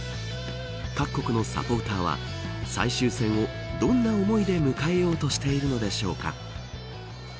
各国のサポーターは最終戦を、どんな思いで迎えようとしているのでしょうか。